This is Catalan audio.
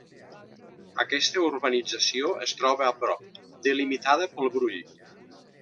Aquesta urbanització es troba a prop delimitada pel Brull.